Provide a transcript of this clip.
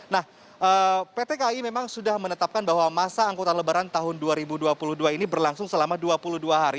nah pt kai memang sudah menetapkan bahwa masa angkutan lebaran tahun dua ribu dua puluh dua ini berlangsung selama dua puluh dua hari